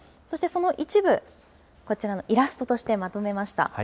そしてその一部、こちらのイラストとしてまとめました。